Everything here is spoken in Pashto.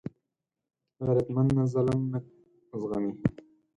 غیرتمند ظلم نه زغمي